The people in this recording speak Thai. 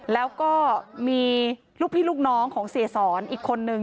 แล้วก็มีลูกพี่ลูกน้องของเสียสอนอีกคนนึง